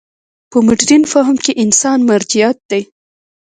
په مډرن فهم کې انسان مرجعیت دی.